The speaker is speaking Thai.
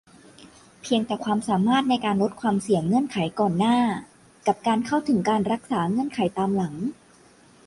เพียงแต่ "ความสามารถในการลดความเสี่ยง" เงื่อนไขก่อนหน้า กับ "การเข้าถึงการรักษา" เงื่อนไขตามหลัง